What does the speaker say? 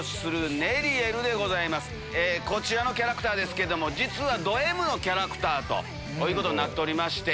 こちらのキャラクターですけどもドＭのキャラクターということになっておりまして。